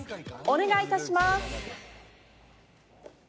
お願い致します。